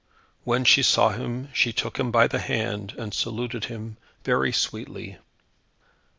When she saw him, she took him by the hand, and saluted him very sweetly.